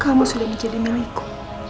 kamu sudah menjadi milikku